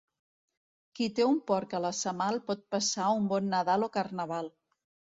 Qui té un porc a la semal pot passar un bon Nadal o Carnaval.